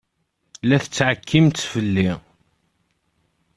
La tettɛekkimt fell-i?